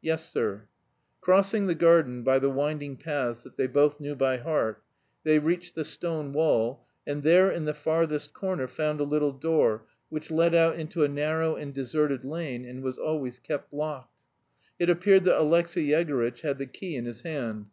"Yes, sir." Crossing the garden by the winding paths that they both knew by heart, they reached the stone wall, and there in the farthest corner found a little door, which led out into a narrow and deserted lane, and was always kept locked. It appeared that Alexey Yegorytch had the key in his hand.